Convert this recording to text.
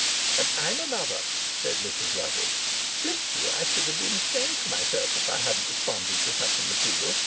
"And I'm another," said Mrs Lovatt. "Bless you, I should have been ashamed of myself if I hadn't responded to such an appeal.